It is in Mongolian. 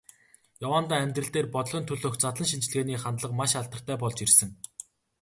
Яваандаа амьдрал дээр, бодлогын төлөөх задлан шинжилгээний хандлага маш алдартай болж ирсэн.